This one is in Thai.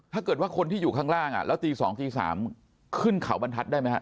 ถ้าเกิดว่าคนที่อยู่ข้างล่างแล้วตี๒ตี๓ขึ้นเขาบรรทัศน์ได้ไหมฮะ